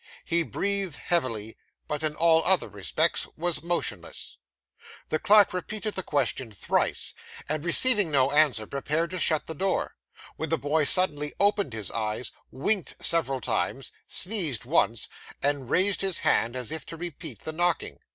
He breathed heavily, but in all other respects was motionless. The clerk repeated the question thrice, and receiving no answer, prepared to shut the door, when the boy suddenly opened his eyes, winked several times, sneezed once, and raised his hand as if to repeat the knocking.